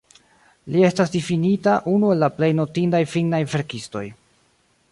Li estas difinita unu el la plej notindaj finnaj verkistoj.